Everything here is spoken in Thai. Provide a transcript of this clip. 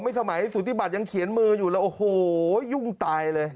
สมัยสุธิบัติยังเขียนมืออยู่แล้วโอ้โหยุ่งตายเลย